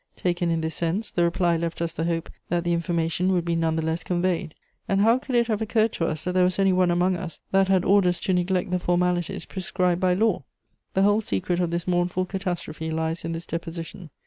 Taken in this sense, the reply left us the hope that the information would be none the less conveyed. And how could it have occurred to us that there was any one among us that had orders to neglect the formalities prescribed by law?" The whole secret of this mournful catastrophe lies in this deposition.